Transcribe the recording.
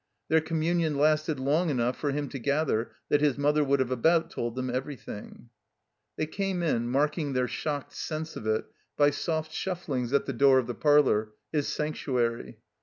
Their commtmion lasted long enouglj for him to gather that his mother would have about told them everything. They came in, marking their shocked sense of it by soft shufflings at the door of the parlor, his sanc tuary.